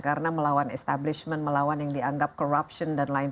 karena melawan establishment melawan yang dianggap corruption dan lain sebagainya